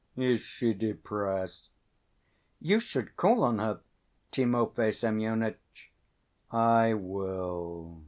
Is she depressed?" "You should call on her, Timofey Semyonitch." "I will.